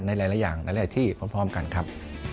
ในหลายอย่างหลายที่พร้อมกันครับ